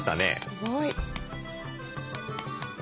すごい。